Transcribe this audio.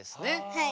はい。